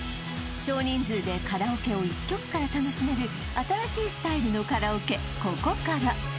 少人数でカラオケを１曲から楽しめる新しいスタイルのカラオケＣＯＣＯＫＡＲＡ